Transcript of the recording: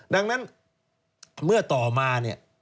ดังนั้นเมื่อต่อมาเนี่ย